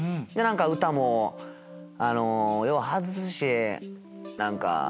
歌もよう外すし。